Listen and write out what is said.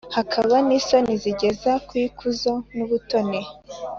hakaba n’isoni zigeza ku ikuzo n’ubutoni